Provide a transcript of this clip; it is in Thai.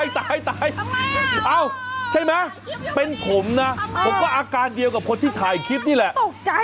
ตายใช่ไหมเป็นผมนะผมก็อาการเดียวกับคนที่ถ่ายคลิปนี้แหละ